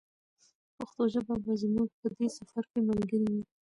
پښتو ژبه به زموږ په دې سفر کې ملګرې وي.